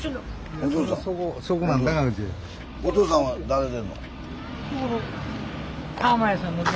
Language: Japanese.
おとうさんは誰でんの？